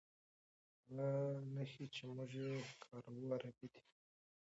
هغه نښې چې موږ یې کاروو عربي دي.